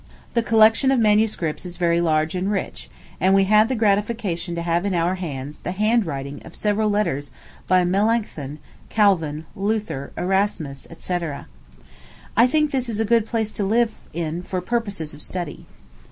The collection of MSS. is very large and rich; and we had the gratification to have in our hands the handwriting of several letters by Melancthon, Calvin, Luther, Erasmus, &c., &c. I think this is a good place to live in for purposes of study.